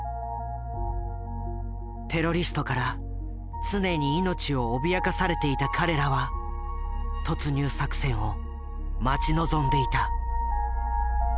テロリストから常に命を脅かされていた彼らは突入作戦を待ち望んでいた。